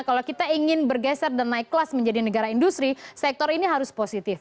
kalau kita ingin bergeser dan naik kelas menjadi negara industri sektor ini harus positif